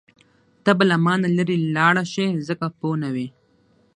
ته به له مانه لرې لاړه شې ځکه پوه نه وې.